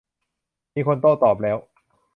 มีคนโต้ตอบแล้ว